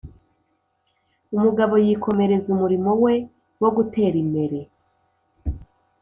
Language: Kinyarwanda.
" umugabo yikomereza umurimo we wo gutera imere